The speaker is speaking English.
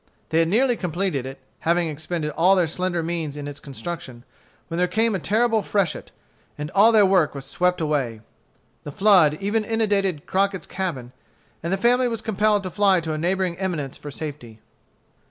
They had nearly completed it, having expended all their slender means in its construction, when there came a terrible freshet, and all their works were swept away. The flood even inundated Crockett's cabin, and the family was compelled to fly to a neighboring eminence for safety.